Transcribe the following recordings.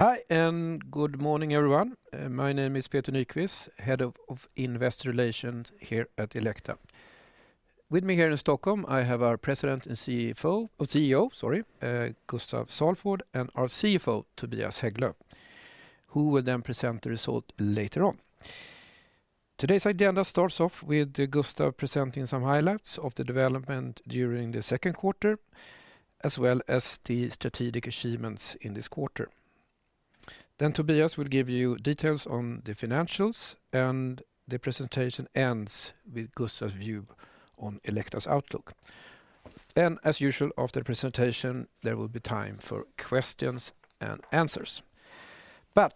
Hi, an d good morning, everyone. My name is Peter Nyquist, Head of Investor Relations here at Elekta. With me here in Stockholm, I have our President and CEO, Gustaf Salford, and our CFO, Tobias Hägglöv, who will then present the result later on. Today's agenda starts off with Gustaf presenting some highlights of the development during the second quarter, as well as the strategic achievements in this quarter. Then Tobias will give you details on the financials, and the presentation ends with Gustaf's view on Elekta's outlook, and as usual, after the presentation, there will be time for questions and answers, but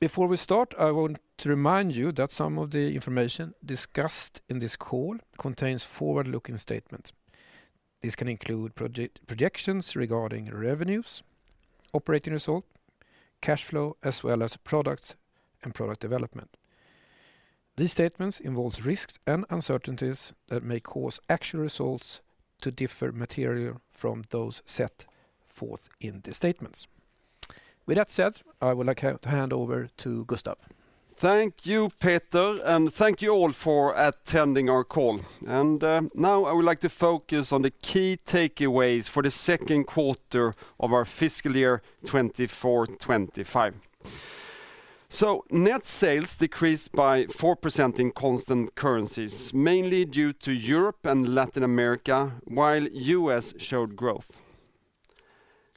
before we start, I want to remind you that some of the information discussed in this call contains forward-looking statements. This can include projections regarding revenues, operating result, cash flow, as well as products and product development. These statements involve risks and uncertainties that may cause actual results to differ materially from those set forth in the statements. With that said, I would like to hand over to Gustaf. Thank you, Peter, and thank you all for attending our call. And now I would like to focus on the key takeaways for the second quarter of our Fiscal Year 2024-2025. So net sales decreased by 4% in constant currencies, mainly due to Europe and Latin America, while the U.S. showed growth.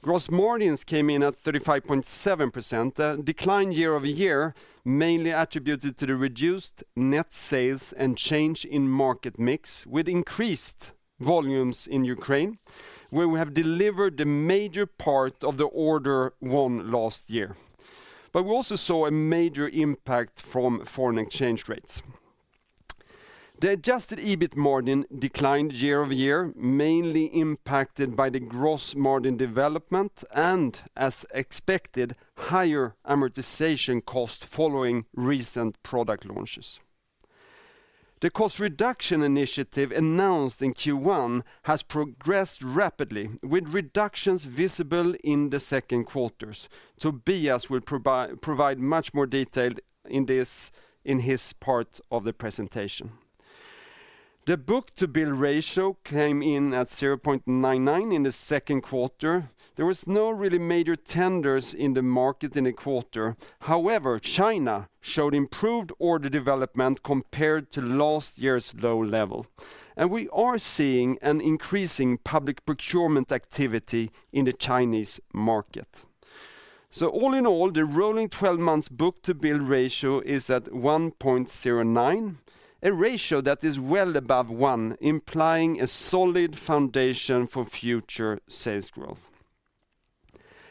Gross margins came in at 35.7%, a decline year-over-year, mainly attributed to the reduced net sales and change in market mix, with increased volumes in Ukraine, where we have delivered the major part of the order won last year. But we also saw a major impact from foreign exchange rates. The Adjusted EBIT margin declined year-over-year, mainly impacted by the gross margin development and, as expected, higher amortization costs following recent product launches. The cost reduction initiative announced in Q1 has progressed rapidly, with reductions visible in the second quarter. Tobias will provide much more detail in his part of the presentation. The book-to-bill ratio came in at 0.99 in the second quarter. There were no really major tenders in the market in the quarter. However, China showed improved order development compared to last year's low level, and we are seeing an increasing public procurement activity in the Chinese market, so all in all, the rolling 12-month book-to-bill ratio is at 1.09, a ratio that is well above one, implying a solid foundation for future sales growth.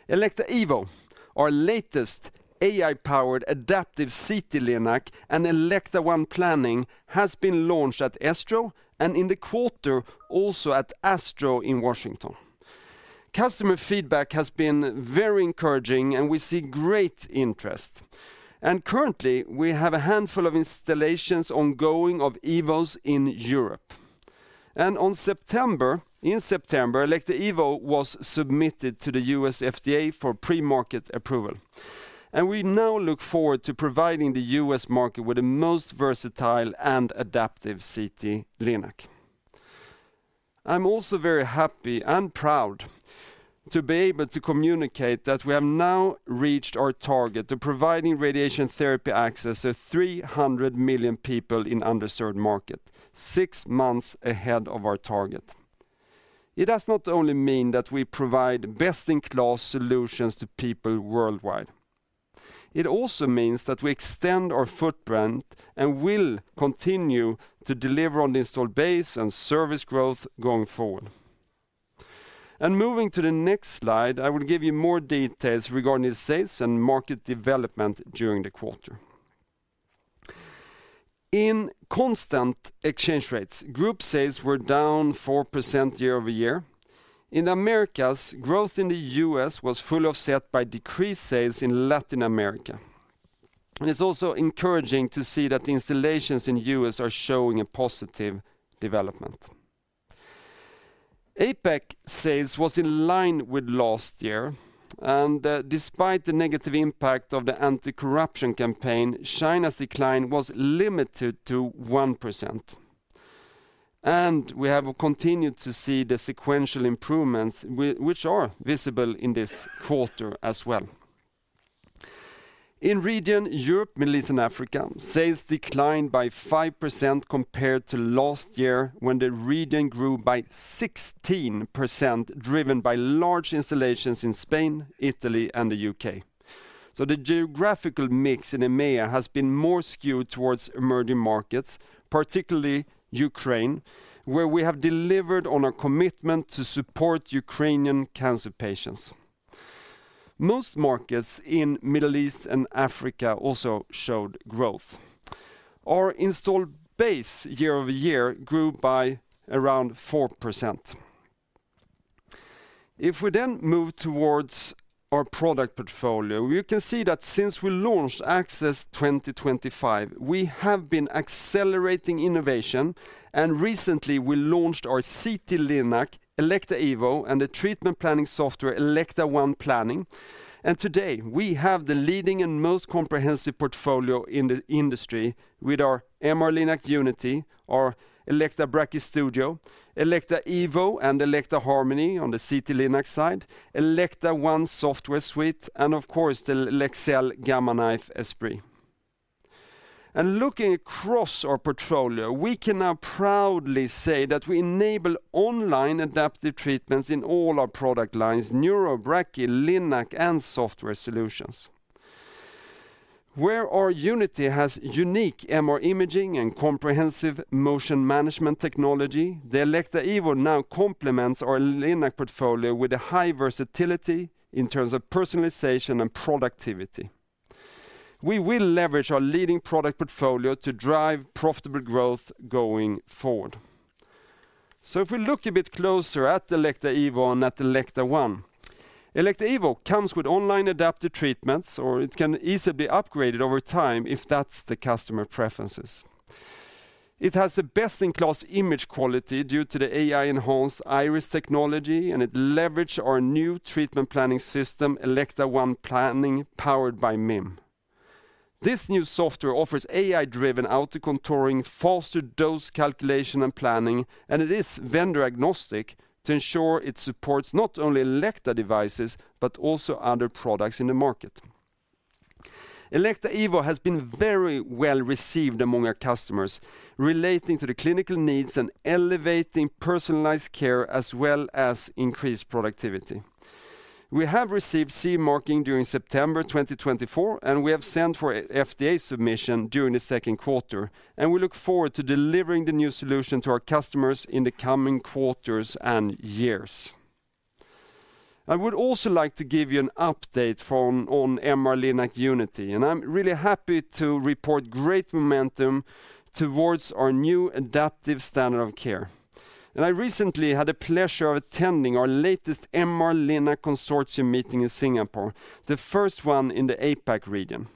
Elekta Evo, our latest AI-powered adaptive Elekta ONE Planning, has been launched at ASTRO and in the quarter also at ASTRO in Washington. Customer feedback has been very encouraging, and we see great interest, and currently, we have a handful of installations ongoing of Evos in Europe. In September, Elekta Evo was submitted to the U.S. FDA for pre-market approval. We now look forward to providing the U.S. market with the most versatile and adaptive C-arm Linac. I'm also very happy and proud to be able to communicate that we have now reached our target of providing radiation therapy access to 300 million people in the underserved market, six months ahead of our target. It does not only mean that we provide best-in-class solutions to people worldwide. It also means that we extend our footprint and will continue to deliver on the installed base and service growth going forward. Moving to the next slide, I will give you more details regarding the sales and market development during the quarter. In constant exchange rates, group sales were down 4% year-over-year. In the Americas, growth in the US was fully offset by decreased sales in Latin America. And it's also encouraging to see that the installations in the US are showing a positive development. APAC sales was in line with last year. And despite the negative impact of the anti-corruption campaign, China's decline was limited to 1%. And we have continued to see the sequential improvements, which are visible in this quarter as well. In the region, Europe, Middle East, and Africa, sales declined by 5% compared to last year, when the region grew by 16%, driven by large installations in Spain, Italy, and the U.K. So the geographical mix in EMEA has been more skewed towards emerging markets, particularly Ukraine, where we have delivered on our commitment to support Ukrainian cancer patients. Most markets in the Middle East and Africa also showed growth. Our installed base year-over-year grew by around 4%. If we then move towards our product portfolio, you can see that since we launched Access 2025, we have been accelerating innovation. Recently, we launched our C-arm Linac, Elekta Evo, and the Elekta ONE Planning. today, we have the leading and most comprehensive portfolio in the industry with our MR-Linac Unity, our Elekta Brachy Studio, Elekta Evo, and Elekta Harmony on Elekta ONE Software Suite, and of course, the Leksell Gamma Knife Esprit. Looking across our portfolio, we can now proudly say that we enable online adaptive treatments in all our product lines: Neuro, Brachy, Linac, and software solutions. Where our Unity has unique MR imaging and Comprehensive Motion Management technology, the Elekta Evo now complements our Linac portfolio with a high versatility in terms of personalization and productivity. We will leverage our leading product portfolio to drive profitable growth going forward. So if we look a bit closer at the Elekta Evo and at the Elekta ONE, Elekta Evo comes with online adaptive treatments, or it can easily be upgraded over time if that's the customer preferences. It has the best-in-class image quality due to the AI-enhanced iRIS technology, and it leverages our new Elekta ONE Planning, powered by MIM. This new software offers AI-driven outer contouring, faster dose calculation, and planning, and it is vendor-agnostic to ensure it supports not only Elekta devices, but also other products in the market. Elekta Evo has been very well-received among our customers, relating to the clinical needs and elevating personalized care as well as increased productivity. We have received CE marking during September 2024, and we have sent for FDA submission during the second quarter, and we look forward to delivering the new solution to our customers in the coming quarters and years. I would also like to give you an update on MR-Linac Unity, and I'm really happy to report great momentum towards our new adaptive standard of care, and I recently had the pleasure of attending our latest MR-Linac consortium meeting in Singapore, the first one in the APAC region.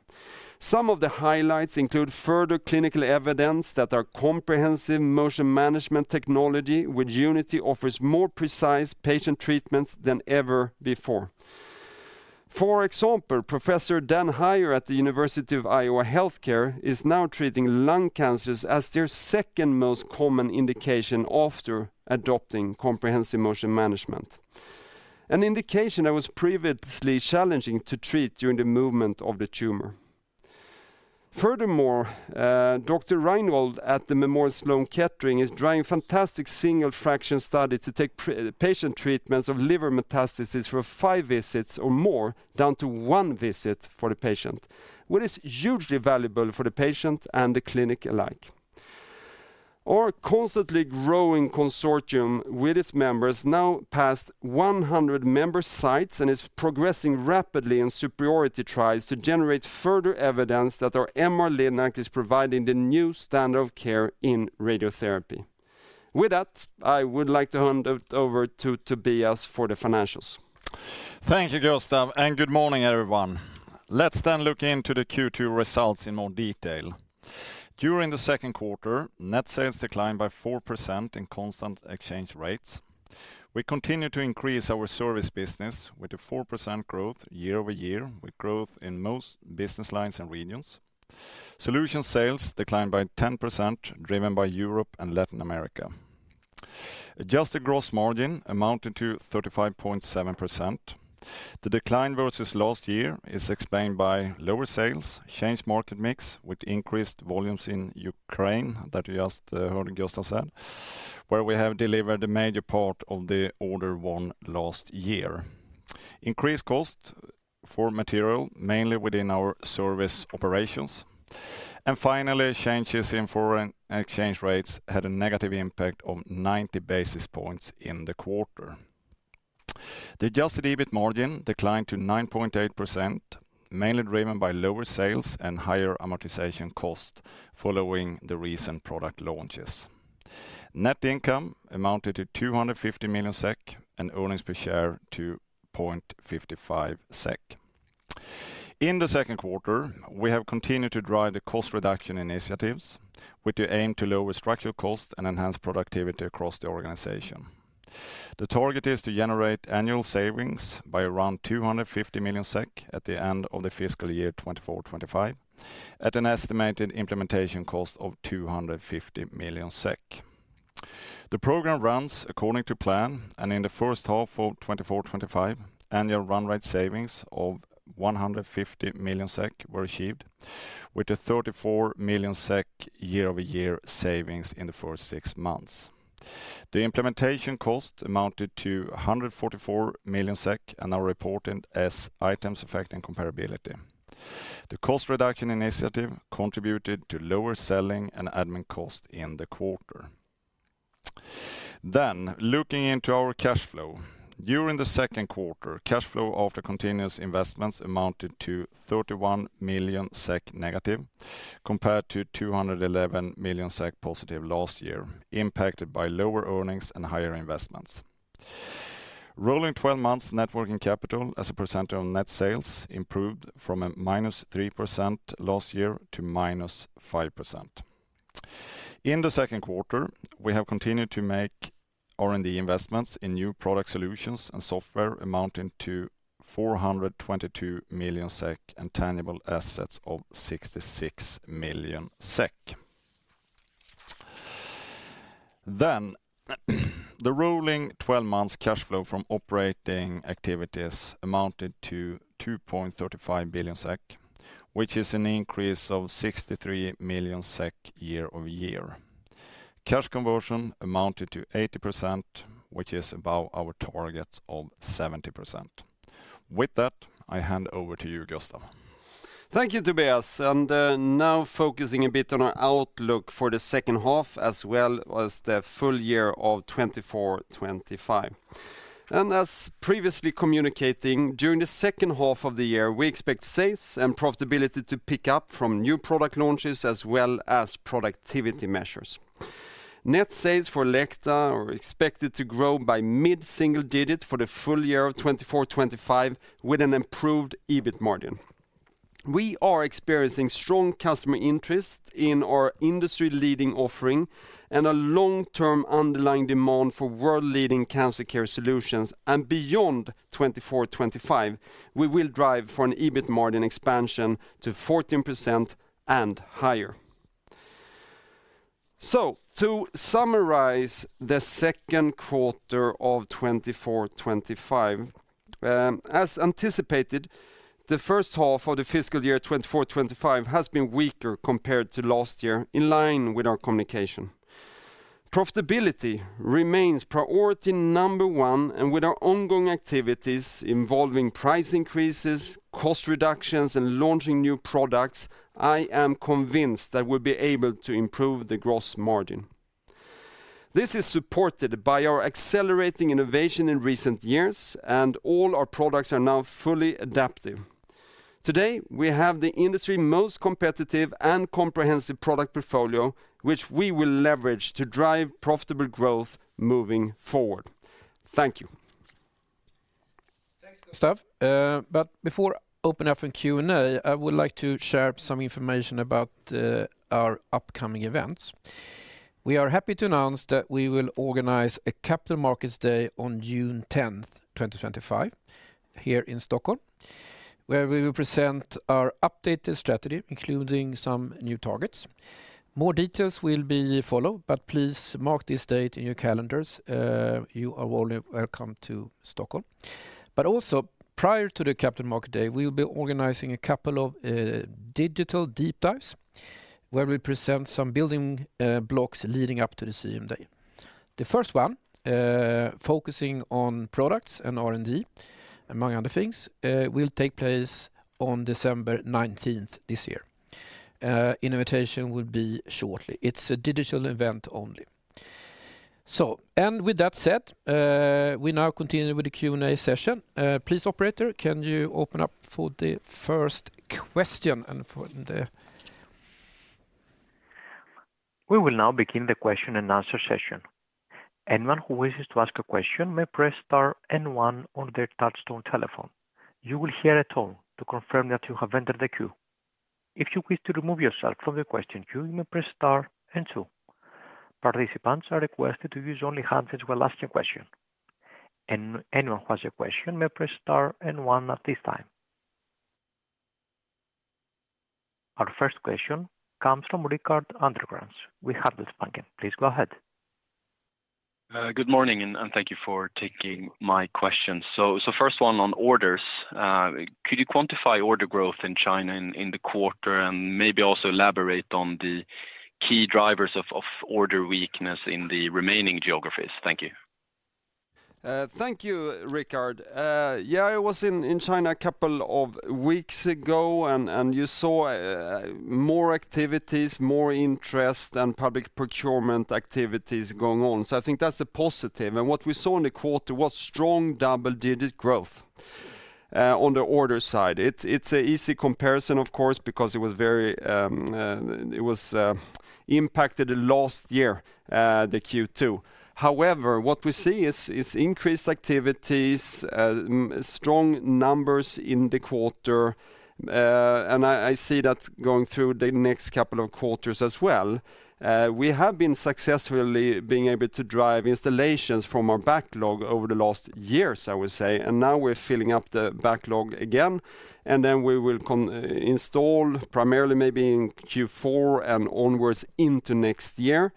Some of the highlights include further clinical evidence that our comprehensive motion management technology with Unity offers more precise patient treatments than ever before. For example, Professor Dan Hyer at the University of Iowa Health Care is now treating lung cancers as their second most common indication after adopting Comprehensive Motion Management, an indication that was previously challenging to treat during the movement of the tumor. Furthermore, Dr. Reyngold at the Memorial Sloan Kettering Cancer Center is drawing fantastic single fraction studies to take patient treatments of liver metastases for five visits or more down to one visit for the patient, which is hugely valuable for the patient and the clinic alike. Our constantly growing consortium with its members now passed 100 member sites and is progressing rapidly in superiority studies to generate further evidence that our MR-Linac is providing the new standard of care in radiotherapy. With that, I would like to hand it over to Tobias for the financials. Thank you, Gustaf, and good morning, everyone. Let's then look into the Q2 results in more detail. During the second quarter, net sales declined by 4% in constant exchange rates. We continue to increase our service business with a 4% growth year-over-year, with growth in most business lines and regions. Solution sales declined by 10%, driven by Europe and Latin America. Adjusted gross margin amounted to 35.7%. The decline versus last year is explained by lower sales, changed market mix with increased volumes in Ukraine that you just heard Gustaf said, where we have delivered a major part of the order won last year, increased costs for material mainly within our service operations, and finally changes in foreign exchange rates had a negative impact of 90 basis points in the quarter. The Adjusted EBIT margin declined to 9.8%, mainly driven by lower sales and higher amortization costs following the recent product launches. Net income amounted to 250 million SEK and earnings per share 2.55 SEK. In the second quarter, we have continued to drive the cost reduction initiatives, which aim to lower structural costs and enhance productivity across the organization. The target is to generate annual savings by around 250 million SEK at the end of the Fiscal Year 2024-2025, at an estimated implementation cost of 250 million SEK. The program runs according to plan, and in the first half of 2024-2025, annual run rate savings of 150 million SEK were achieved, with a 34 million SEK year-over-year savings in the first six months. The implementation cost amounted to 144 million SEK and are reported as items affecting comparability. The cost reduction initiative contributed to lower selling and admin costs in the quarter. Looking into our cash flow, during the second quarter, cash flow after capital investments amounted to -31 million SEK compared to 211 million SEK last year, impacted by lower earnings and higher investments. Rolling 12-month working capital as a percentage of net sales improved from -3% last year to -5%. In the second quarter, we have continued to make R&D investments in new product solutions and software amounting to 422 million SEK and tangible assets of 66 million SEK. The rolling 12-month cash flow from operating activities amounted to 2.35 billion SEK, which is an increase of 63 million SEK year-over-year. Cash conversion amounted to 80%, which is above our target of 70%. With that, I hand over to you, Gustaf. Thank you, Tobias. And now focusing a bit on our outlook for the second half as well as the full year of 2024-2025. And as previously communicating, during the second half of the year, we expect sales and profitability to pick up from new product launches as well as productivity measures. Net sales for Elekta are expected to grow by mid-single digit for the full year of 2024-2025 with an improved EBIT margin. We are experiencing strong customer interest in our industry-leading offering and a long-term underlying demand for world-leading cancer care solutions. And beyond 2024-2025, we will drive for an EBIT margin expansion to 14% and higher. So, to summarize the second quarter of 2024-2025, as anticipated, the first half of the Fiscal Year 2024-2025 has been weaker compared to last year, in line with our communication. Profitability remains priority number one, and with our ongoing activities involving price increases, cost reductions, and launching new products, I am convinced that we'll be able to improve the gross margin. This is supported by our accelerating innovation in recent years, and all our products are now fully adaptive. Today, we have the industry's most competitive and comprehensive product portfolio, which we will leverage to drive profitable growth moving forward. Thank you. Thanks, Gustaf. But before opening up for Q&A, I would like to share some information about our upcoming events. We are happy to announce that we will organize a Capital Markets Day on June 10, 2025, here in Stockholm, where we will present our updated strategy, including some new targets. More details will be followed, but please mark this date in your calendars. You are all welcome to Stockholm. But also, prior to the Capital Markets Day, we will be organizing a couple of digital deep dives where we present some building blocks leading up to the CMD. The first one, focusing on products and R&D and many other things, will take place on December 19 this year. Invitation will be shortly. It's a digital event only. So, and with that said, we now continue with the Q&A session. Please, Operator, can you open up for the first question and for the... We will now begin the question-and-answer session. Anyone who wishes to ask a question may press star and one on their touch-tone telephone. You will hear a tone to confirm that you have entered the queue. If you wish to remove yourself from the question queue, you may press star and two. Participants are requested to use only the handset while asking questions. Anyone who has a question may press star and one at this time. Our first question comes from Rickard Anderkrans with Handelsbanken. Please go ahead. Good morning, and thank you for taking my question. So, first one on orders. Could you quantify order growth in China in the quarter and maybe also elaborate on the key drivers of order weakness in the remaining geographies? Thank you. Thank you, Rickard. Yeah, I was in China a couple of weeks ago, and you saw more activities, more interest, and public procurement activities going on. So, I think that's a positive. And what we saw in the quarter was strong double-digit growth on the order side. It's an easy comparison, of course, because it was very impacted last year, the Q2. However, what we see is increased activities, strong numbers in the quarter, and I see that going through the next couple of quarters as well. We have been successfully being able to drive installations from our backlog over the last years, I would say, and now we're filling up the backlog again, and then we will install primarily maybe in Q4 and onwards into next year.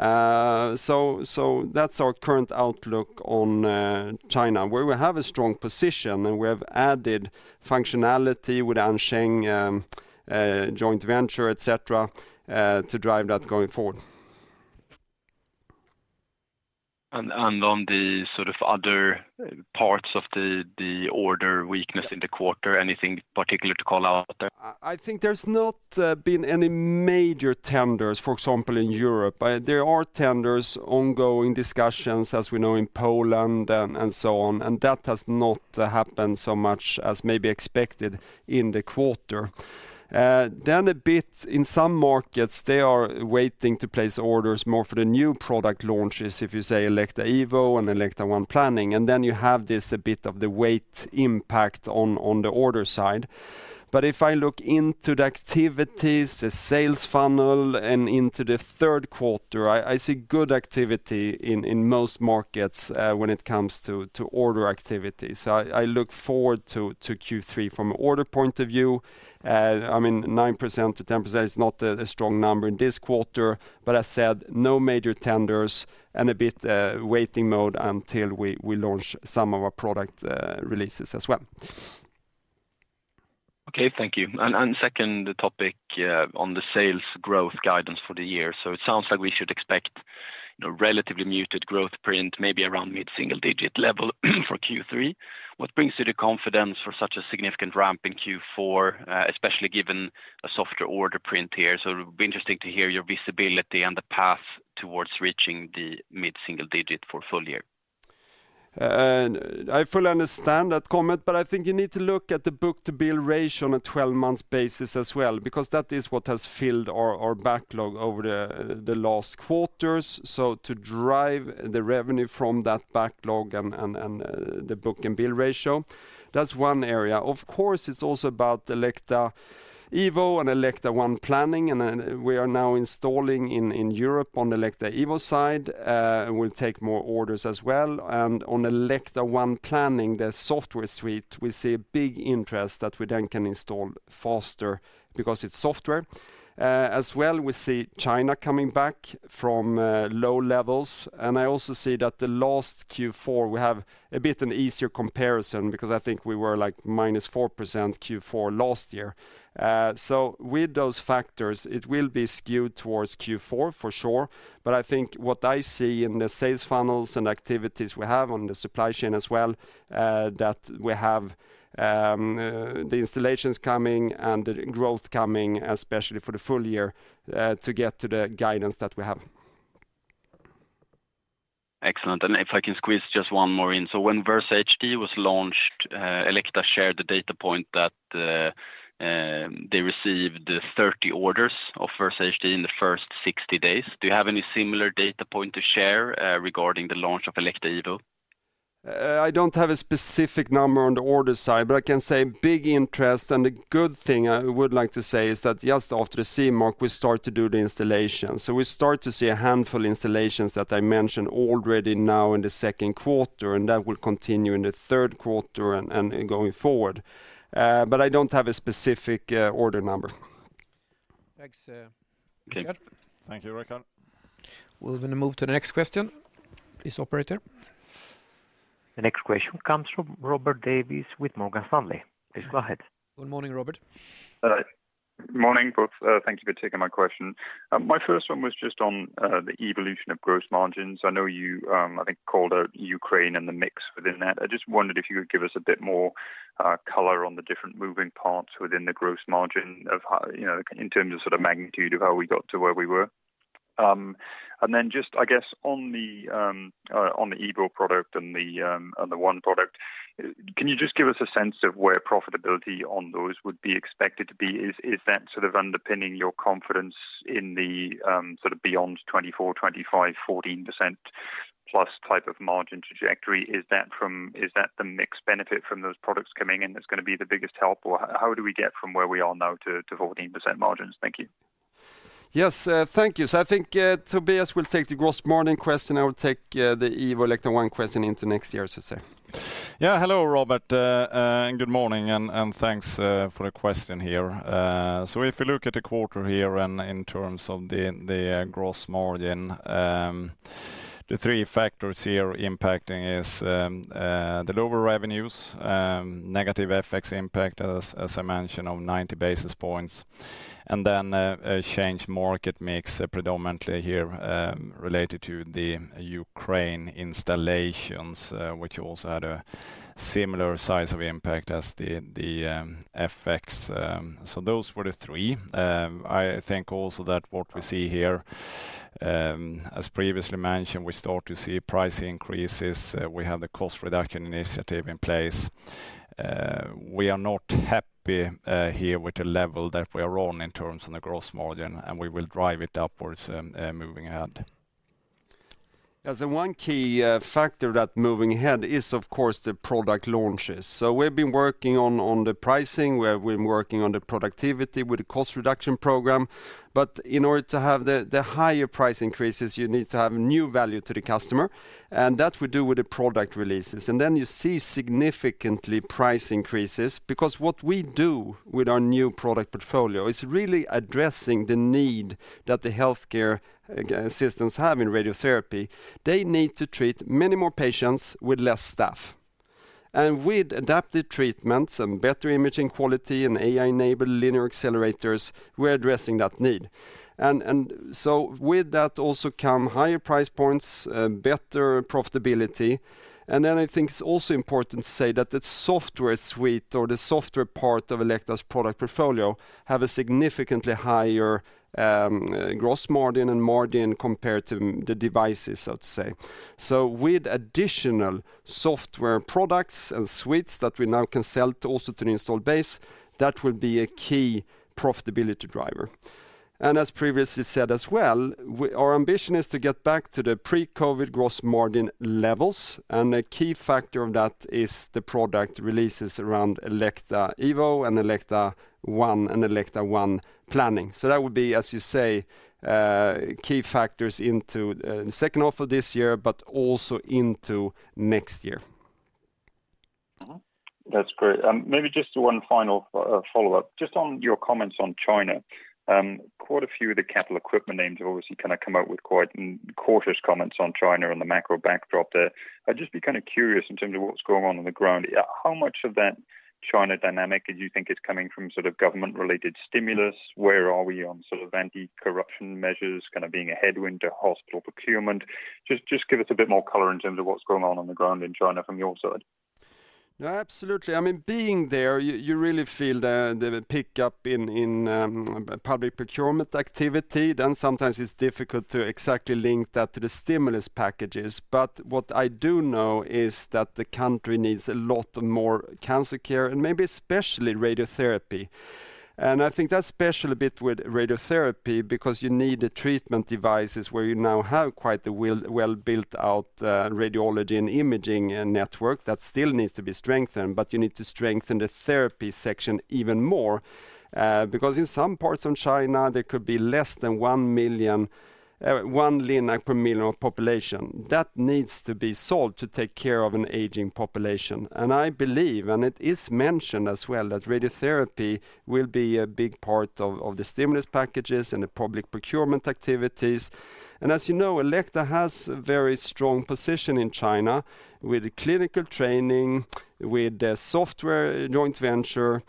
So, that's our current outlook on China, where we have a strong position, and we have added functionality with AnSheng Joint Venture, etc., to drive that going forward. On the sort of other parts of the order weakness in the quarter, anything particular to call out there? I think there's not been any major tenders, for example, in Europe. There are tenders, ongoing discussions, as we know, in Poland and so on, and that has not happened so much as maybe expected in the quarter. Then a bit in some markets, they are waiting to place orders more for the new product launches, if you say Elekta ONE Planning, and then you have this a bit of the wait impact on the order side. But if I look into the activities, the sales funnel, and into the third quarter, I see good activity in most markets when it comes to order activity. So, I look forward to Q3 from an order point of view. I mean, 9%-10% is not a strong number in this quarter, but as I said, no major tenders and a bit waiting mode until we launch some of our product releases as well. Okay, thank you. And second topic on the sales growth guidance for the year. So, it sounds like we should expect a relatively muted growth print, maybe around mid-single digit level for Q3. What brings you the confidence for such a significant ramp in Q4, especially given a softer order print here? So, it would be interesting to hear your visibility and the path towards reaching the mid-single digit portfolio. I fully understand that comment, but I think you need to look at the book-to-bill ratio on a 12-month basis as well, because that is what has filled our backlog over the last quarters. So, to drive the revenue from that backlog and the book-to-bill ratio, that's one area. Of course, it's also about Elekta ONE Planning, and we are now installing in Europe on the Elekta Evo side. We'll take more orders as Elekta ONE Planning, the software suite, we see a big interest that we then can install faster because it's software. As well, we see China coming back from low levels, and I also see that the last Q4, we have a bit of an easier comparison because I think we were like minus 4% Q4 last year. So, with those factors, it will be skewed towards Q4 for sure, but I think what I see in the sales funnels and activities we have on the supply chain as well, that we have the installations coming and the growth coming, especially for the full year, to get to the guidance that we have. Excellent. And if I can squeeze just one more in. So, when Versa HD was launched, Elekta shared the data point that they received 30 orders of Versa HD in the first 60 days. Do you have any similar data point to share regarding the launch of Elekta Evo? I don't have a specific number on the order side, but I can say big interest, and the good thing I would like to say is that just after the CE mark, we start to do the installations. So, we start to see a handful of installations that I mentioned already now in the second quarter, and that will continue in the third quarter and going forward. But I don't have a specific order number. Thank you. Thanks Thank you, Rickard. We'll then move to the next question. Please, Operator. The next question comes from Robert Davies with Morgan Stanley. Please go ahead. Good morning, Robert. Morning, both. Thank you for taking my question. My first one was just on the evolution of gross margins. I know you, I think, called out Ukraine and the mix within that. I just wondered if you could give us a bit more color on the different moving parts within the gross margin in terms of sort of magnitude of how we got to where we were. And then just, I guess, on the Evo product and the One product, can you just give us a sense of where profitability on those would be expected to be? Is that sort of underpinning your confidence in the sort of beyond 2024, 2025, 14% plus type of margin trajectory? Is that the mixed benefit from those products coming in that's going to be the biggest help? Or how do we get from where we are now to 14% margins? Thank you. Yes, thank you. So, I think Tobias will take the gross margin question, and I will take the Evo Elekta ONE question into next year, I should say. Yeah, hello, Robert, and good morning, and thanks for the question here. So, if you look at the quarter here and in terms of the gross margin, the three factors here impacting is the lower revenues, negative FX impact, as I mentioned, of 90 basis points, and then a change market mix predominantly here related to the Ukraine installations, which also had a similar size of impact as the FX. So, those were the three. I think also that what we see here, as previously mentioned, we start to see price increases. We have the cost reduction initiative in place. We are not happy here with the level that we are on in terms of the gross margin, and we will drive it upwards moving ahead. Yeah, so one key factor moving ahead is, of course, the product launches. So, we've been working on the pricing, we've been working on the productivity with the cost reduction program, but in order to have the higher price increases, you need to have new value to the customer, and that we do with the product releases. And then you see significant price increases because what we do with our new product portfolio is really addressing the need that the healthcare systems have in radiotherapy. They need to treat many more patients with less staff. And with adaptive treatments and better imaging quality and AI-enabled linear accelerators, we're addressing that need. And so, with that also come higher price points, better profitability. And then I think it's also important to say that the software suite or the software part of Elekta's product portfolio have a significantly higher gross margin and margin compared to the devices, I would say. So, with additional software products and suites that we now can sell also to the installed base, that will be a key profitability driver. And as previously said as well, our ambition is to get back to the pre-COVID gross margin levels, and a key factor of that is the product releases around Elekta Evo Elekta ONE Planning. so, that would be, as you say, key factors into the second half of this year, but also into next year. That's great. And maybe just one final follow-up. Just on your comments on China, quite a few of the capital equipment names have obviously kind of come out with quite cautious comments on China and the macro backdrop there. I'd just be kind of curious in terms of what's going on on the ground. How much of that China dynamic do you think is coming from sort of government-related stimulus? Where are we on sort of anti-corruption measures kind of being a headwind to hospital procurement? Just give us a bit more color in terms of what's going on on the ground in China from your side. No, absolutely. I mean, being there, you really feel the pickup in public procurement activity. Then sometimes it's difficult to exactly link that to the stimulus packages, but what I do know is that the country needs a lot more cancer care and maybe especially radiotherapy. And I think that's special a bit with radiotherapy because you need the treatment devices where you now have quite a well-built out radiology and imaging network that still needs to be strengthened, but you need to strengthen the therapy section even more because in some parts of China, there could be less than one Linac per million of population. That needs to be solved to take care of an aging population. And I believe, and it is mentioned as well, that radiotherapy will be a big part of the stimulus packages and the public procurement activities. As you know, Elekta has a very strong position in China with clinical training, with software joint venture,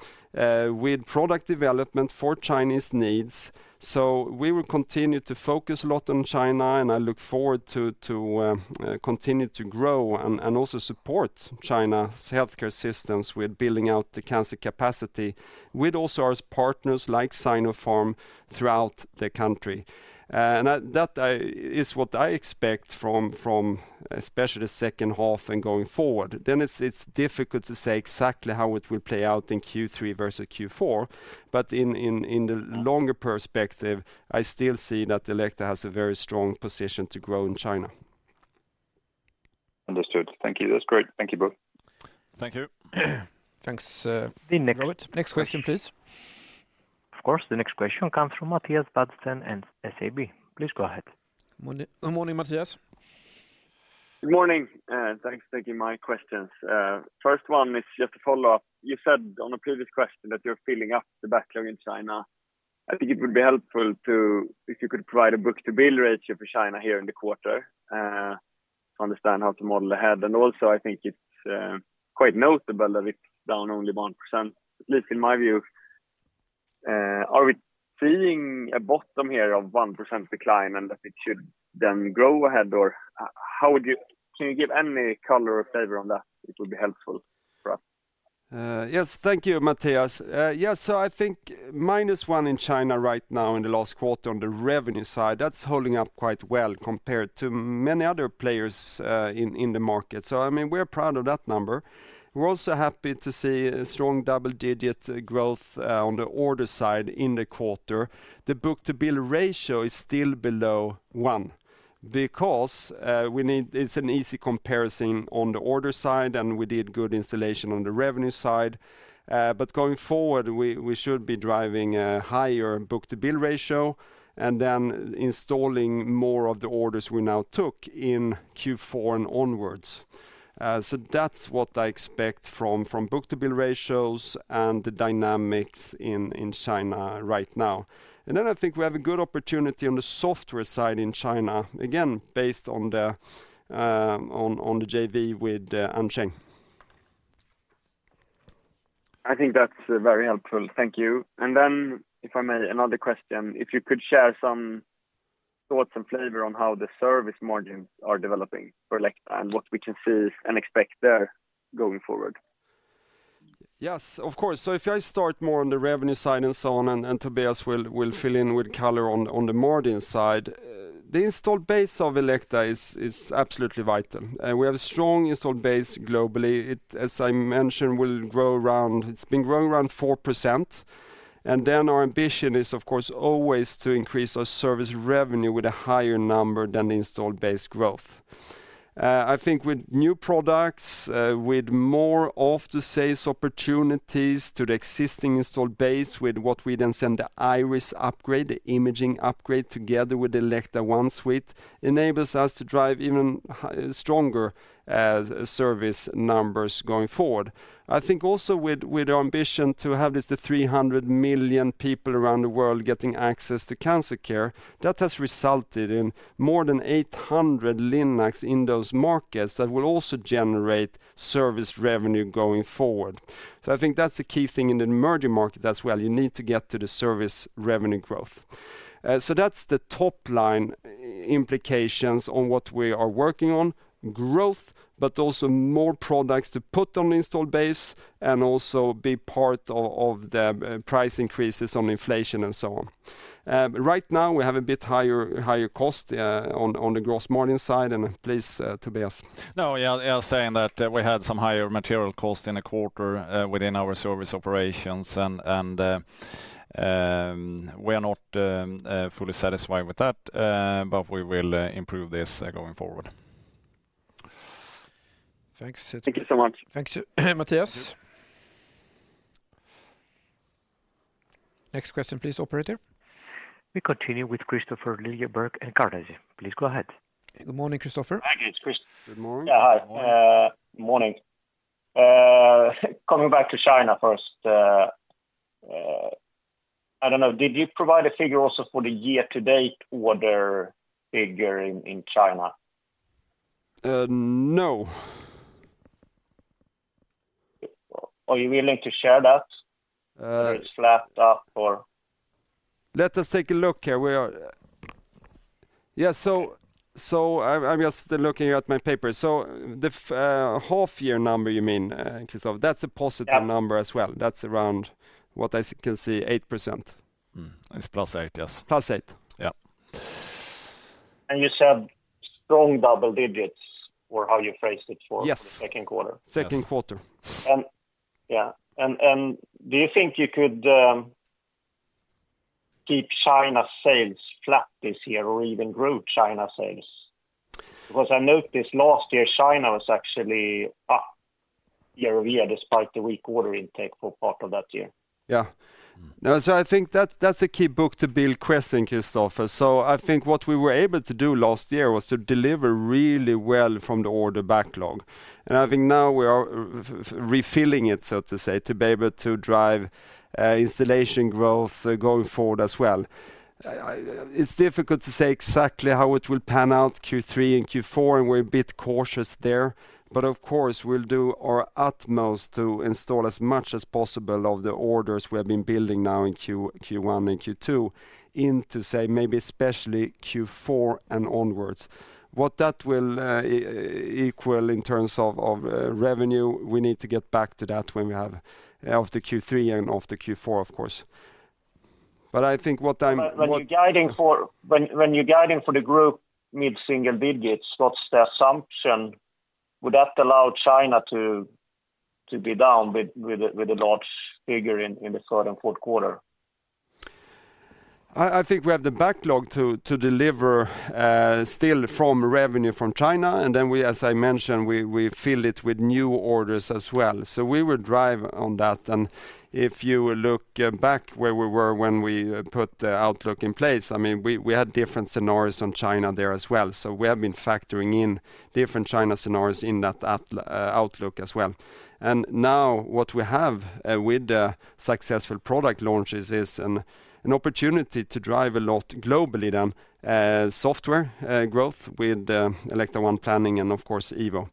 with product development for Chinese needs. So, we will continue to focus a lot on China, and I look forward to continue to grow and also support China's healthcare systems with building out the cancer capacity with also our partners like Sinopharm throughout the country. That is what I expect from especially the second half and going forward. It's difficult to say exactly how it will play out in Q3 versus Q4, but in the longer perspective, I still see that Elekta has a very strong position to grow in China. Understood. Thank you. That's great. Thank you both. Thank you. Thanks, Robert. Next question, please. Of course. The next question comes from Mattias Vadsten and SEB. Please go ahead. Good morning, Mattias. Good morning. Thanks for taking my questions. First one, it's just a follow-up. You said on a previous question that you're filling up the backlog in China. I think it would be helpful if you could provide a book-to-bill ratio for China here in the quarter to understand how to model ahead. And also, I think it's quite notable that it's down only 1%, at least in my view. Are we seeing a bottom here of 1% decline and that it should then grow ahead? Or can you give any color or flavor on that? It would be helpful for us. Yes, thank you, Mattias. Yes, so I think -1% in China right now in the last quarter on the revenue side, that's holding up quite well compared to many other players in the market. So, I mean, we're proud of that number. We're also happy to see strong double-digit growth on the order side in the quarter. The book-to-bill ratio is still below one because, you know, it's an easy comparison on the order side, and we did good installation on the revenue side. But going forward, we should be driving a higher book-to-bill ratio and then installing more of the orders we now took in Q4 and onwards. So, that's what I expect from book-to-bill ratios and the dynamics in China right now. And then I think we have a good opportunity on the software side in China, again, based on the JV with Ansheng. I think that's very helpful. Thank you. And then, if I may, another question. If you could share some thoughts and flavor on how the service margins are developing for Elekta and what we can see and expect there going forward? Yes, of course, so if I start more on the revenue side and so on, and Tobias will fill in with color on the margin side, the installed base of Elekta is absolutely vital. We have a strong installed base globally. As I mentioned, it's been growing around 4%, and then our ambition is, of course, always to increase our service revenue with a higher number than the installed base growth. I think with new products, with more cross-sales opportunities to the existing installed base with what we then sell, the Iris upgrade, the imaging upgrade together with the Elekta ONE suite, enables us to drive even stronger service numbers going forward. I think also with our ambition to have this 300 million people around the world getting access to cancer care, that has resulted in more than 800 Linacs in those markets that will also generate service revenue going forward. So, I think that's the key thing in the emerging market as well. You need to get to the service revenue growth. So, that's the top-line implications on what we are working on: growth, but also more products to put on the installed base and also be part of the price increases on inflation and so on. Right now, we have a bit higher cost on the gross margin side, and please, Tobias. No, yeah, I was saying that we had some higher material cost in the quarter within our service operations, and we are not fully satisfied with that, but we will improve this going forward. Thanks. Thank you so much. Thank you, Mattias. Next question, please, Operator. We continue with Kristofer Liljeberg and Carnegie. Please go ahead. Good morning, Kristofer. Hi, it's Kristofer. Good morning. Yeah, hi. Morning. Coming back to China first, I don't know, did you provide a figure also for the year-to-date order figure in China? No. Are you willing to share that or it's flat up or? Let us take a look here. Yeah, so I'm just looking at my paper. So, the half-year number you mean, Kristopher, that's a positive number as well. That's around what I can see, 8%. It's 8%, yes. +8%. Yeah. And you said strong double-digits or how you phrased it for the second quarter. Yes. For the second quarter. Second quarter Yeah, and do you think you could keep China's sales flat this year or even grow China's sales? Because I noticed last year China was actually up year-over-year despite the weak order intake for part of that year. Yeah. No, so I think that's a key book-to-bill question, Christopher. So, I think what we were able to do last year was to deliver really well from the order backlog. And I think now we are refilling it, so to say, to be able to drive installation growth going forward as well. It's difficult to say exactly how it will pan out Q3 and Q4, and we're a bit cautious there. But of course, we'll do our utmost to install as much as possible of the orders we have been building now in Q1 and Q2 into, say, maybe especially Q4 and onwards. What that will equal in terms of revenue, we need to get back to that when we have after Q3 and after Q4, of course. But I think what I'm. When you're guiding for the group mid-single digits, what's the assumption? Would that allow China to be down with a large figure in the third and fourth quarter? I think we have the backlog to deliver still from revenue from China, and then we, as I mentioned, we fill it with new orders as well. So, we will drive on that. If you look back where we were when we put the outlook in place, I mean, we had different scenarios on China there as well. So, we have been factoring in different China scenarios in that outlook as well. Now what we have with the successful product launches is an opportunity to drive a lot globally then Elekta ONE Planning and, of course, Evo.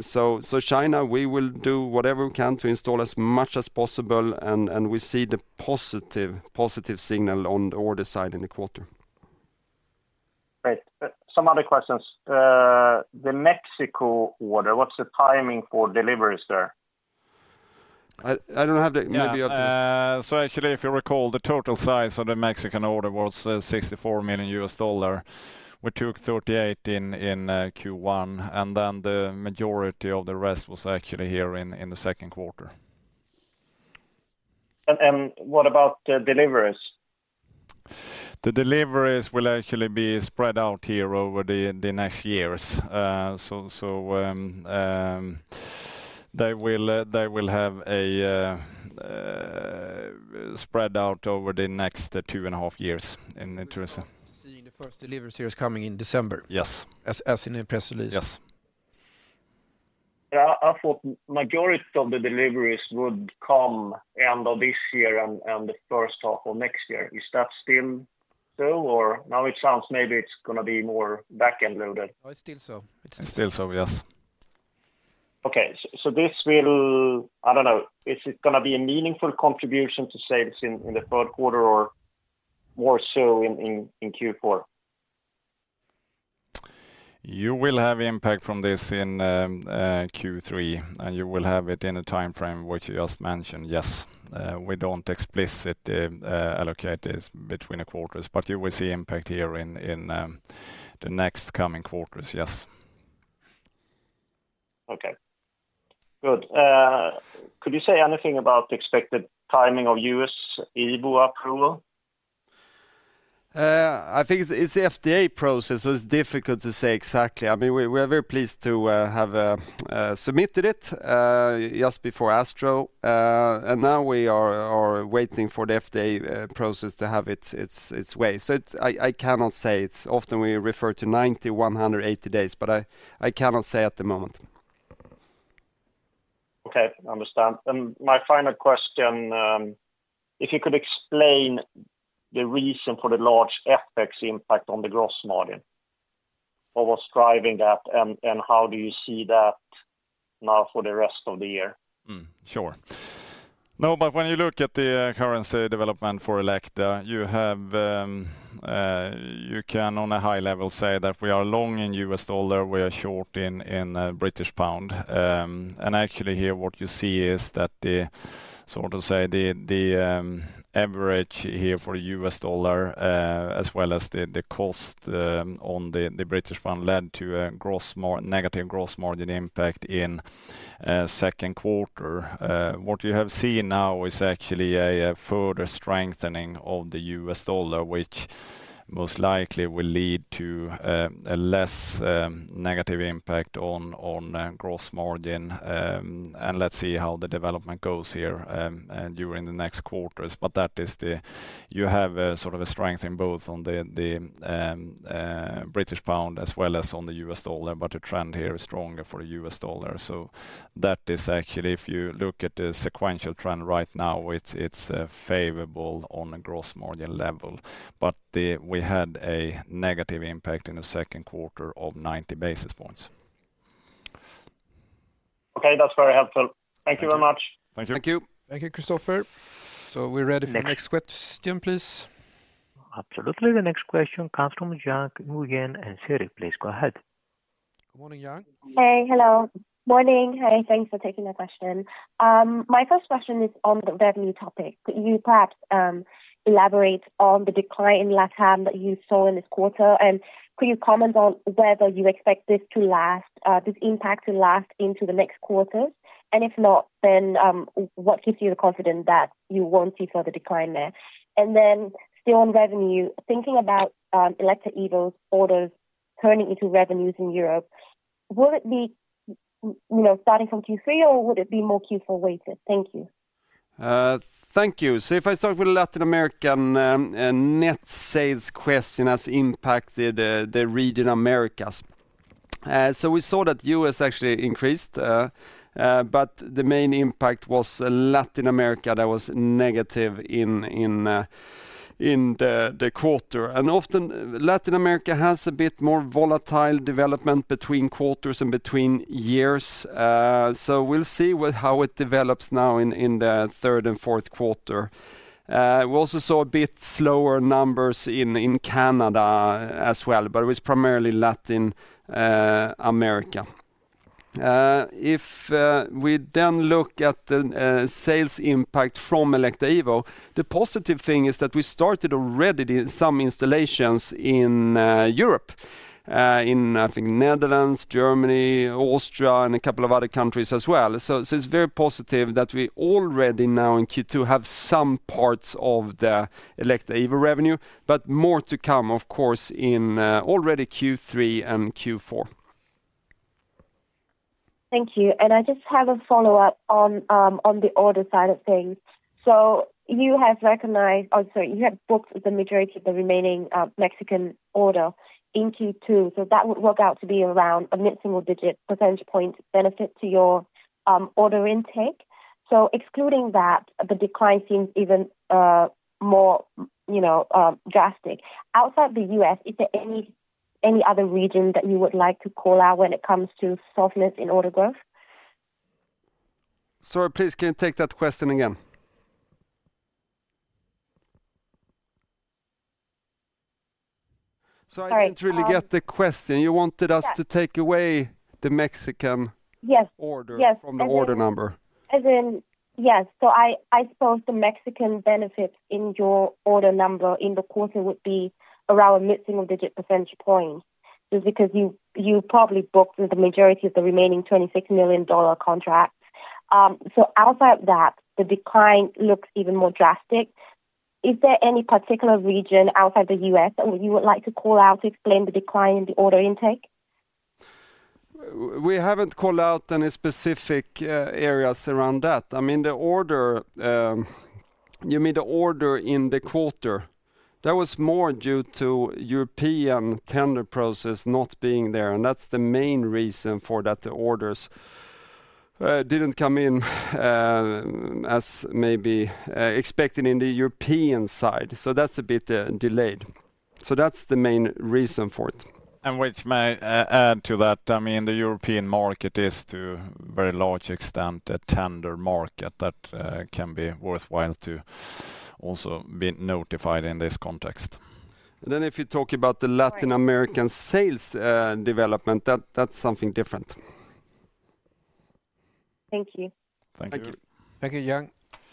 So, China, we will do whatever we can to install as much as possible, and we see the positive signal on the order side in the quarter. Great. Some other questions. The Mexico order, what's the timing for deliveries there? I don't have that. Maybe I'll take it. Actually, if you recall, the total size of the Mexican order was $64 million. We took $38 million in Q1, and then the majority of the rest was actually here in the second quarter. What about the deliveries? The deliveries will actually be spread out here over the next years. So, they will have a spread out over the next two and a half years in terms of. Seeing the first deliveries here is coming in December. Yes. As in the press release. Yes. Yeah, I thought the majority of the deliveries would come end of this year and the first half of next year. Is that still so? Or now it sounds maybe it's going to be more back-end loaded. No, it's still so. It's still so, yes. Okay. So, this will, I don't know, is it going to be a meaningful contribution to sales in the third quarter or more so in Q4? You will have impact from this in Q3, and you will have it in a timeframe, which you just mentioned, yes. We don't explicitly allocate this between the quarters, but you will see impact here in the next coming quarters, yes. Okay. Good. Could you say anything about the expected timing of US Evo approval? I think it's the FDA process, so it's difficult to say exactly. I mean, we are very pleased to have submitted it just before ASTRO. And now we are waiting for the FDA process to have its way. So, I cannot say. It's often we refer to 90, 180 days, but I cannot say at the moment. Okay. Understood, and my final question, if you could explain the reason for the large FX impact on the gross margin or what's driving that, and how do you see that now for the rest of the year? Sure. No, but when you look at the currency development for Elekta, you can on a high level say that we are long in U.S. dollar, we are short in British pound. And actually here, what you see is that the, so to say, the average here for the U.S. dollar, as well as the course on the British pound, led to a negative gross margin impact in second quarter. What you have seen now is actually a further strengthening of the U.S. dollar, which most likely will lead to a less negative impact on gross margin. And let's see how the development goes here during the next quarters. But that is the, you have sort of a strength in both on the British pound as well as on the U.S. dollar, but the trend here is stronger for the U.S. dollar. So, that is actually, if you look at the sequential trend right now, it's favorable on a gross margin level. But we had a negative impact in the second quarter of 90 basis points. Okay. That's very helpful. Thank you very much. Thank you. Thank you. Thank you, Kristofer. So, we're ready for the next question, please. Absolutely. The next question comes from Giang Nguyen at Citi. Please go ahead. Good morning, Giang. Hey, hello. Morning. Hey, thanks for taking the question. My first question is on the revenue topic. Could you perhaps elaborate on the decline in LatAm that you saw in this quarter? And could you comment on whether you expect this to last, this impact to last into the next quarters? And if not, then what gives you the confidence that you won't see further decline there? And then still on revenue, thinking about Elekta Evo's orders turning into revenues in Europe, will it be starting from Q3 or would it be more Q4 weighted? Thank you. Thank you. So, if I start with Latin American net sales question as impacted the region Americas. So, we saw that U.S. actually increased, but the main impact was Latin America that was negative in the quarter. And often Latin America has a bit more volatile development between quarters and between years. So, we'll see how it develops now in the third and fourth quarter. We also saw a bit slower numbers in Canada as well, but it was primarily Latin America. If we then look at the sales impact from Elekta Evo, the positive thing is that we started already some installations in Europe, in I think Netherlands, Germany, Austria, and a couple of other countries as well. So, it's very positive that we already now in Q2 have some parts of the Elekta Evo revenue, but more to come, of course, in already Q3 and Q4. Thank you. And I just have a follow-up on the order side of things. So, you have recognized, I'm sorry, you have booked the majority of the remaining Mexican order in Q2. So, that would work out to be around a mid-single digit percentage point benefit to your order intake. So, excluding that, the decline seems even more drastic. Outside the U.S., is there any other region that you would like to call out when it comes to softness in order growth? Sorry, please can you take that question again? Sorry. So, I didn't really get the question. You wanted us to take away the Mexican order from the order number. Yes. Yes. So, I suppose the Mexican benefits in your order number in the quarter would be around a mid-single digit percentage point just because you probably booked the majority of the remaining $26 million contracts. So, outside that, the decline looks even more drastic. Is there any particular region outside the U.S. that you would like to call out to explain the decline in the order intake? We haven't called out any specific areas around that. I mean, the order, you mean the order in the quarter, that was more due to European tender process not being there. And that's the main reason for that the orders didn't come in as maybe expected in the European side. So, that's the main reason for it. Which may add to that, I mean, the European market is to a very large extent a tender market that can be worthwhile to also be notified in this context. If you talk about the Latin American sales development, that's something different. Thank you. Thank you. Thank you. Thank you, Giang.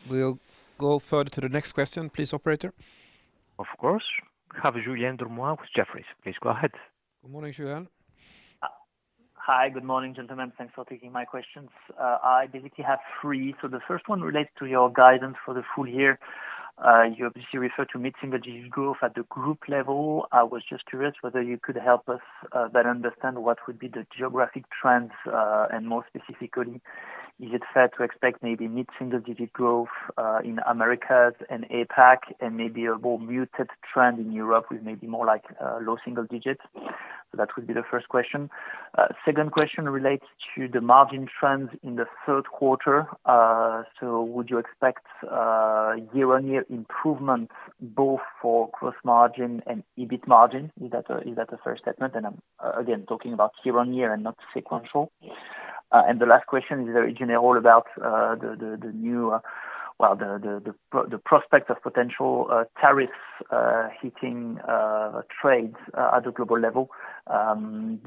We'll go further to the next question, please, Operator. Of course. Have Julien Dormois with Jefferies. Please go ahead. Good morning, Julien. Hi, good morning, gentlemen. Thanks for taking my questions. I basically have three. So, the first one relates to your guidance for the full year. You obviously referred to mid-single digit growth at the group level. I was just curious whether you could help us better understand what would be the geographic trends and more specifically, is it fair to expect maybe mid-single digit growth in Americas and APAC and maybe a more muted trend in Europe with maybe more like low single digits? So, that would be the first question. Second question relates to the margin trends in the third quarter. So, would you expect year-on-year improvement both for gross margin and EBIT margin? Is that a fair statement? And I'm again talking about year-on-year and not sequential. The last question is very general about the new, well, the prospect of potential tariffs hitting trades at the global level.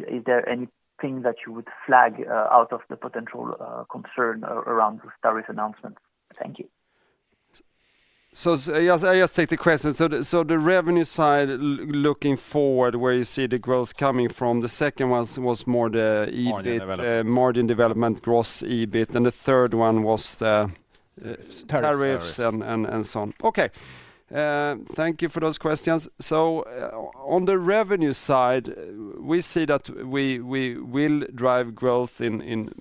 Is there anything that you would flag out of the potential concern around these tariff announcements? Thank you. I just take the question. The revenue side looking forward where you see the growth coming from, the second one was more the EBIT Margin development. Margin development, gross EBIT, and the third one was the tariffs and so on. Okay. Thank you for those questions. On the revenue side, we see that we will drive growth in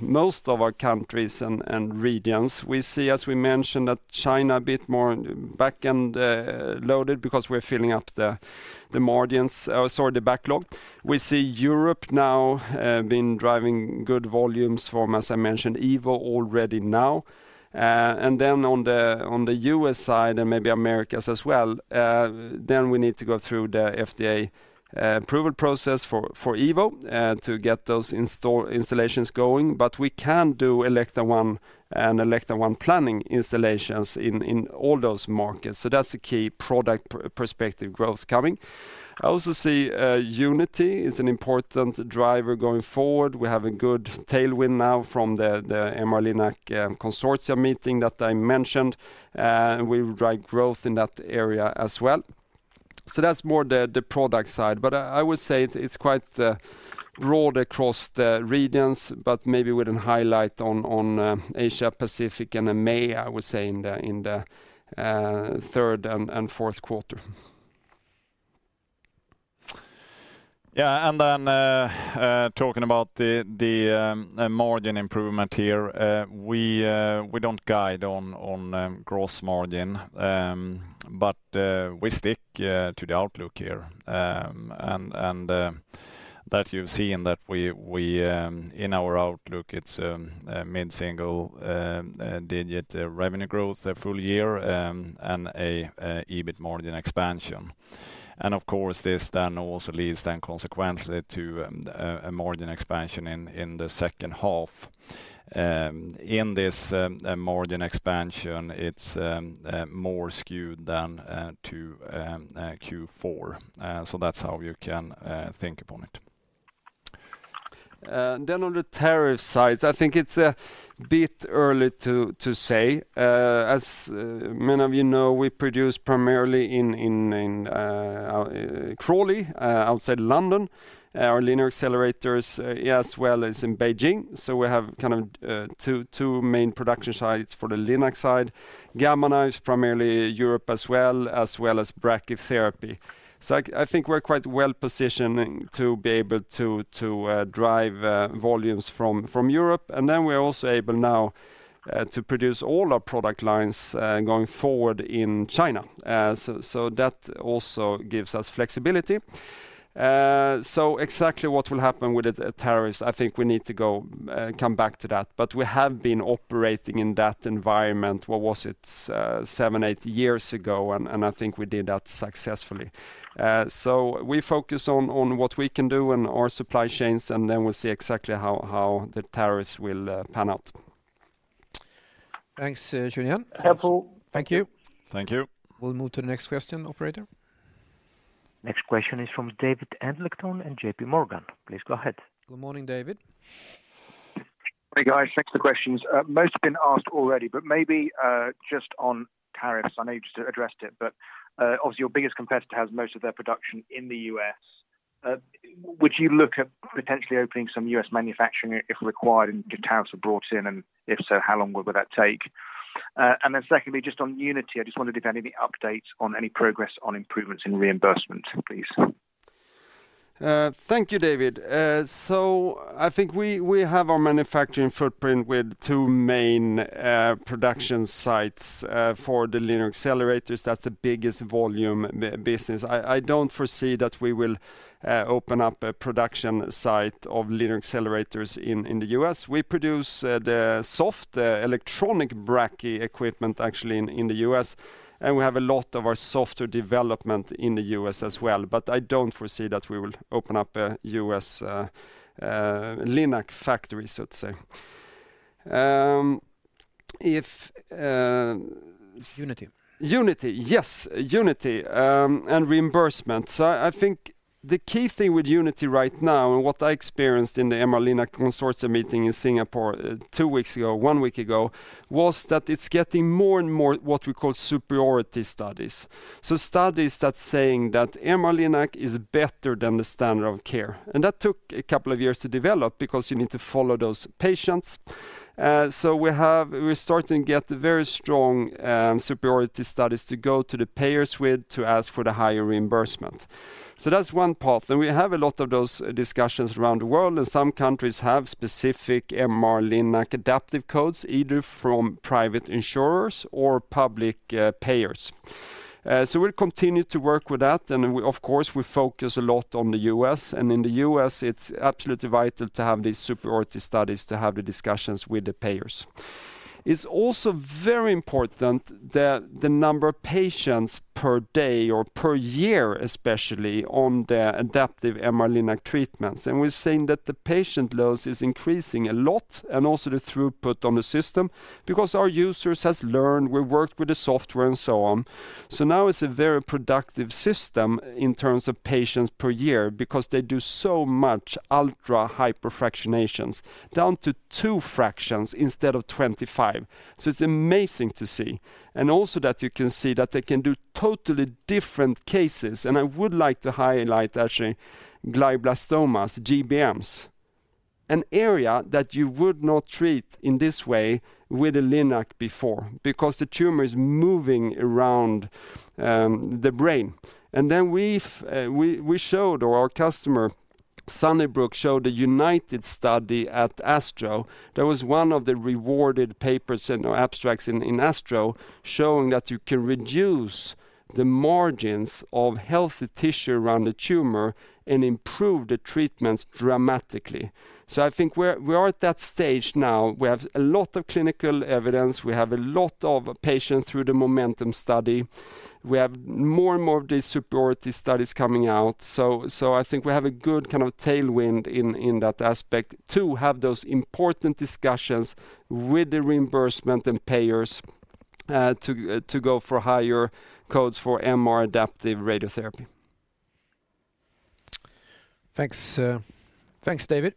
most of our countries and regions. We see, as we mentioned, that China a bit more back-end loaded because we're filling up the margins, sorry, the backlog. We see Europe now being driving good volumes from, as I mentioned, Evo already now. Then on the U.S. side and maybe Americas as well, we need to go through the FDA approval process for Evo to get those installations going. But we can Elekta ONE Planning installations in all those markets. That's a key product perspective growth coming. I also see Unity is an important driver going forward. We have a good tailwind now from the MR-Linac Consortium meeting that I mentioned. We will drive growth in that area as well. That's more the product side. But I would say it's quite broad across the regions, but maybe with a highlight on Asia Pacific and EMEA, I would say, in the third and fourth quarter. Yeah. And then talking about the margin improvement here, we don't guide on gross margin, but we stick to the outlook here. And that you've seen that in our outlook, it's a mid-single digit revenue growth, a full year, and an EBIT margin expansion. And of course, this then also leads then consequently to a margin expansion in the second half. In this margin expansion, it's more skewed than to Q4. So, that's how you can think upon it. Then on the tariff side, I think it's a bit early to say. As many of you know, we produce primarily in Crawley, outside London, our linear accelerators, as well as in Beijing. So, we have kind of two main production sites for the Linac side. Gamma Knife, primarily Europe as well, as well as Brachytherapy. So, I think we're quite well positioned to be able to drive volumes from Europe. And then we're also able now to produce all our product lines going forward in China. So, that also gives us flexibility. So, exactly what will happen with the tariffs, I think we need to come back to that. But we have been operating in that environment. What was it? Seven, eight years ago, and I think we did that successfully. So, we focus on what we can do in our supply chains, and then we'll see exactly how the tariffs will pan out. Thanks, Julien. Helpful. Thank you. Thank you. We'll move to the next question, Operator. Next question is from David Adlington and JPMorgan. Please go ahead. Good morning, David. Hey, guys. Next few questions. Most have been asked already, but maybe just on tariffs. I know you just addressed it, but obviously your biggest competitor has most of their production in the U.S. Would you look at potentially opening some U.S. manufacturing if required and if tariffs are brought in? And if so, how long would that take? And then secondly, just on Unity, I just wondered if you had any updates on any progress on improvements in reimbursement, please. Thank you, David. So, I think we have our manufacturing footprint with two main production sites for the linear accelerators. That's the biggest volume business. I don't foresee that we will open up a production site of linear accelerators in the U.S. We produce the software and brachy equipment actually in the U.S., and we have a lot of our software development in the U.S. as well. But I don't foresee that we will open up a U.S. Linac factory, so to say. If. Unity. Unity. Yes, Unity and reimbursement. I think the key thing with Unity right now and what I experienced in the MR-Linac consortium meeting in Singapore two weeks ago, one week ago, was that it's getting more and more what we call superiority studies. Studies that say that MR-Linac is better than the standard of care. That took a couple of years to develop because you need to follow those patients. We're starting to get very strong superiority studies to go to the payers with to ask for the higher reimbursement. That's one path. We have a lot of those discussions around the world, and some countries have specific MR-Linac adaptive codes, either from private insurers or public payers. We'll continue to work with that. Of course, we focus a lot on the U.S. And in the US, it's absolutely vital to have these superiority studies, to have the discussions with the payers. It's also very important that the number of patients per day or per year especially on the adaptive MR-Linac treatments. And we're seeing that the patient loads is increasing a lot and also the throughput on the system because our users have learned, we've worked with the software and so on. So, now it's a very productive system in terms of patients per year because they do so much ultra-hyperfractionations down to two fractions instead of 25. So, it's amazing to see. And also that you can see that they can do totally different cases. And I would like to highlight actually glioblastomas, GBMs, an area that you would not treat in this way with a Linac before because the tumor is moving around the brain. And then we showed or our customer Sunnybrook showed a Unity study at ASTRO. That was one of the awarded papers and abstracts in ASTRO showing that you can reduce the margins of healthy tissue around the tumor and improve the treatments dramatically. So, I think we are at that stage now. We have a lot of clinical evidence. We have a lot of patients through the MOMENTUM study. We have more and more of these superiority studies coming out. So, I think we have a good kind of tailwind in that aspect to have those important discussions with the reimbursement and payers to go for higher codes for MR adaptive radiotherapy. Thanks. Thanks, David,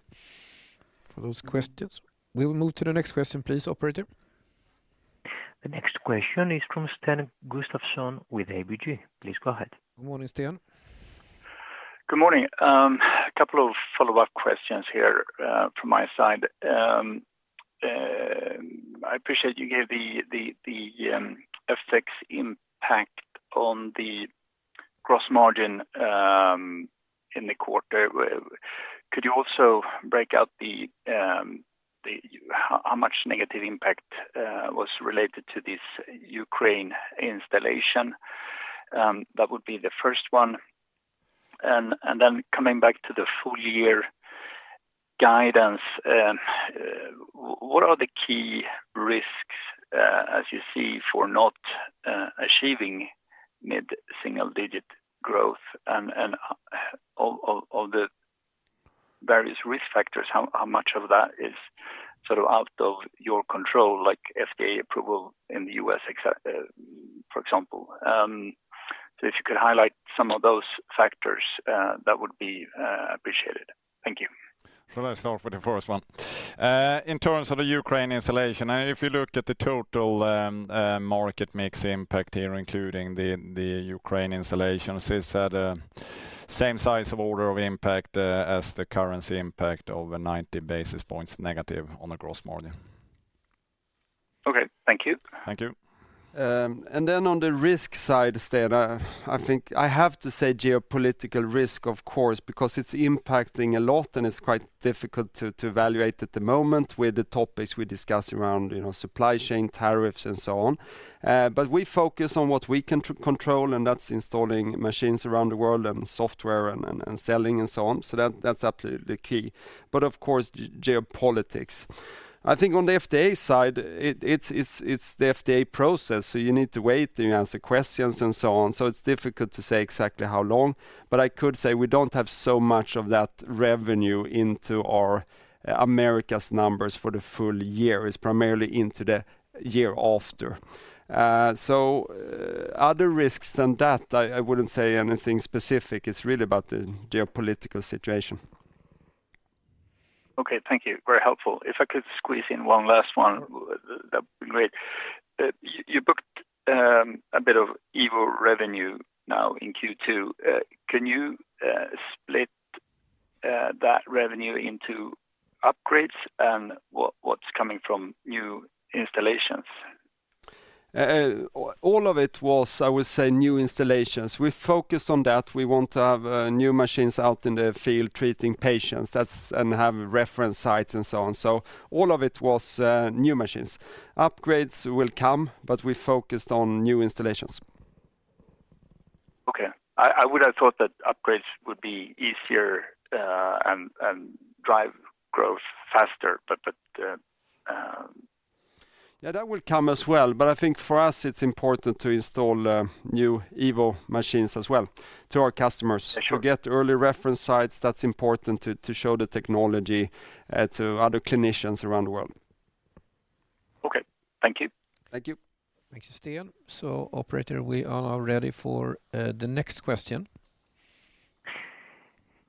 for those questions. We'll move to the next question, please, Operator. The next question is from Sten Gustafsson with ABG. Please go ahead. Good morning, Sten. Good morning. A couple of follow-up questions here from my side. I appreciate you gave the effects impact on the gross margin in the quarter. Could you also break out how much negative impact was related to this Ukraine installation? That would be the first one. And then coming back to the full year guidance, what are the key risks as you see for not achieving mid-single digit growth? And of the various risk factors, how much of that is sort of out of your control, like FDA approval in the US, for example? So, if you could highlight some of those factors, that would be appreciated. Thank you. Let's start with the first one. In terms of the Ukraine installation, and if you look at the total market mix impact here, including the Ukraine installations, it's at the same size of order of impact as the currency impact of 90 basis points negative on the gross margin. Okay. Thank you. Thank you. And then on the risk side, Sten, I think I have to say geopolitical risk, of course, because it's impacting a lot and it's quite difficult to evaluate at the moment with the topics we discuss around supply chain tariffs and so on. But we focus on what we can control, and that's installing machines around the world and software and selling and so on. So, that's absolutely the key. But of course, geopolitics. I think on the FDA side, it's the FDA process. So, you need to wait and you answer questions and so on. So, it's difficult to say exactly how long, but I could say we don't have so much of that revenue into our Americas numbers for the full year. It's primarily into the year after. So, other risks than that, I wouldn't say anything specific. It's really about the geopolitical situation. Okay. Thank you. Very helpful. If I could squeeze in one last one, that would be great. You booked a bit of Evo revenue now in Q2. Can you split that revenue into upgrades and what's coming from new installations? All of it was, I would say, new installations. We focused on that. We want to have new machines out in the field treating patients and have reference sites and so on. So, all of it was new machines. Upgrades will come, but we focused on new installations. Okay. I would have thought that upgrades would be easier and drive growth faster, but. Yeah, that will come as well. But I think for us, it's important to install new Evo machines as well to our customers. To get early reference sites, that's important to show the technology to other clinicians around the world. Okay. Thank you. Thank you. Thank you, Sten. So, Operator, we are now ready for the next question.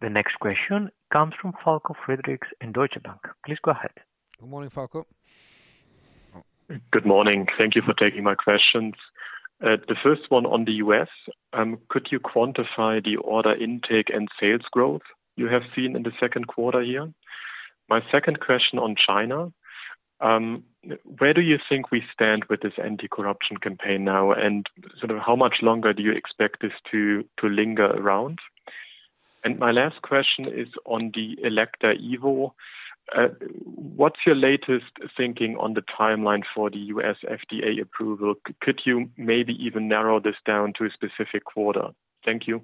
The next question comes from Falko Friedrichs in Deutsche Bank. Please go ahead. Good morning, Falko. Good morning. Thank you for taking my questions. The first one on the U.S., could you quantify the order intake and sales growth you have seen in the second quarter here? My second question on China, where do you think we stand with this anti-corruption campaign now, and sort of how much longer do you expect this to linger around? And my last question is on the Elekta Evo. What's your latest thinking on the timeline for the U.S. FDA approval? Could you maybe even narrow this down to a specific quarter? Thank you.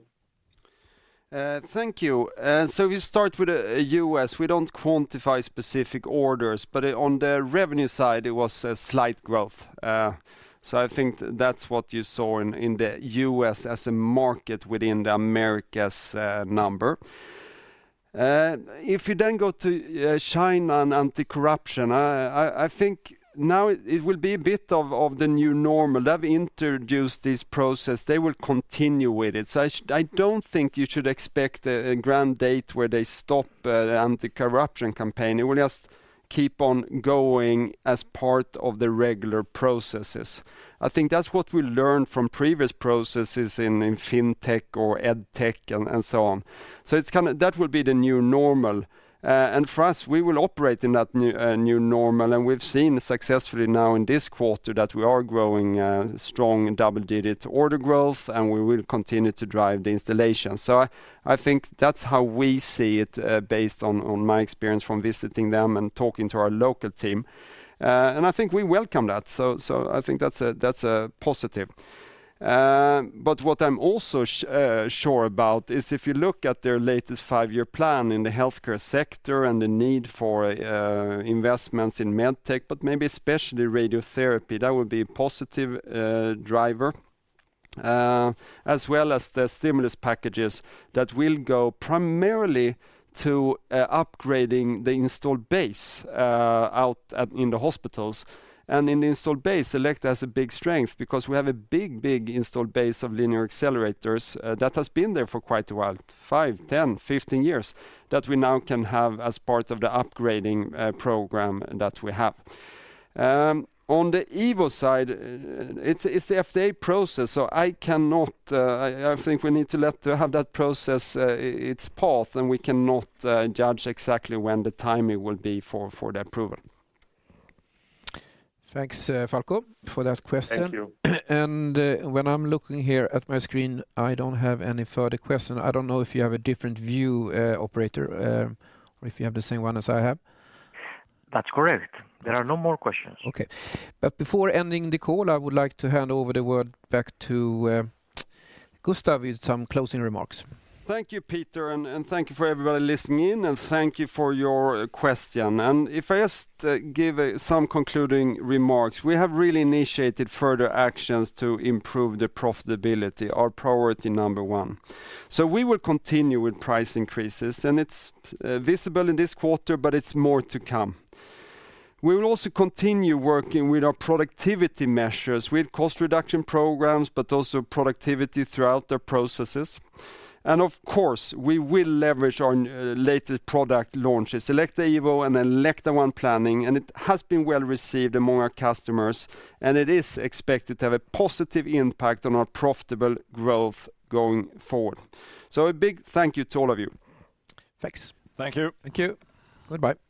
Thank you. So, we start with the U.S. We don't quantify specific orders, but on the revenue side, it was a slight growth. So, I think that's what you saw in the U.S. as a market within the Americas number. If you then go to China and anti-corruption, I think now it will be a bit of the new normal. They've introduced this process. They will continue with it. So, I don't think you should expect a grand date where they stop the anti-corruption campaign. It will just keep on going as part of the regular processes. I think that's what we learned from previous processes in fintech or edtech and so on. So, that will be the new normal, and for us, we will operate in that new normal. And we've seen successfully now in this quarter that we are growing strong double-digit order growth, and we will continue to drive the installation. So, I think that's how we see it based on my experience from visiting them and talking to our local team. And I think we welcome that. So, I think that's a positive. But what I'm also sure about is if you look at their latest five-year plan in the healthcare sector and the need for investments in medtech, but maybe especially radiotherapy, that will be a positive driver, as well as the stimulus packages that will go primarily to upgrading the installed base out in the hospitals. In the installed base, Elekta has a big strength because we have a big, big installed base of linear accelerators that has been there for quite a while, five, 10, 15 years that we now can have as part of the upgrading program that we have. On the Evo side, it's the FDA process. So, I cannot. I think we need to let them have that process its path, and we cannot judge exactly when the timing will be for the approval. Thanks, Falko, for that question. Thank you. When I'm looking here at my screen, I don't have any further questions. I don't know if you have a different view, Operator, or if you have the same one as I have. That's correct. There are no more questions. Okay. But before ending the call, I would like to hand over the word back to Gustaf with some closing remarks. Thank you, Peter, and thank you for everybody listening in, and thank you for your question. And if I just give some concluding remarks, we have really initiated further actions to improve the profitability, our priority number one. So, we will continue with price increases, and it's visible in this quarter, but it's more to come. We will also continue working with our productivity measures with cost reduction programs, but also productivity throughout the processes. And of course, we will leverage our latest product launches, Elekta Elekta ONE Planning. and it has been well received among our customers, and it is expected to have a positive impact on our profitable growth going forward. So, a big thank you to all of you. Thanks. Thank you. Thank you. Goodbye.